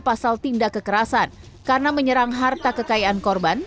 pasal tindak kekerasan karena menyerang harta kekayaan korban